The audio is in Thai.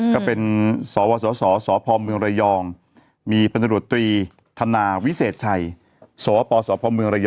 ก็เป็นสพรรมีฐรทธสพร